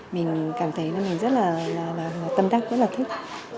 mình cảm thấy là mình rất là tâm đắc rất là thích